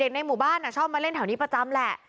ในหมู่บ้านชอบมาเล่นแถวนี้ประจำแหละ